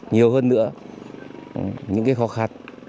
nhiều hơn nữa những khó khăn